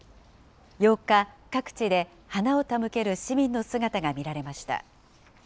８日、各地で花を手向ける市民の姿が見られました。